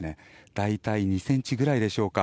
大体２ｃｍぐらいでしょうか。